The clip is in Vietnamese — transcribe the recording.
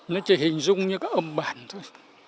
nó chỉ hình dung như cái âm bản thôi